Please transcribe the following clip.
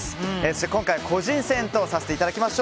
今回は個人戦とさせていただきます。